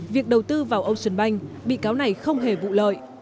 việc đầu tư vào ocean bank bị cáo này không hề vụ lợi